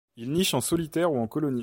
Il niche en solitaire ou en colonie.